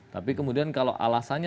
tapi kemudian kalau alasan